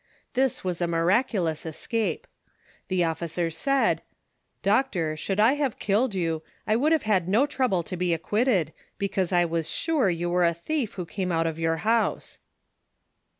This was a miraculous escape. The officer said :"■ Doctor, should I have killed you, I Avould have had no trouble to be acquitted, because I was sure you were a thief who came out of your house."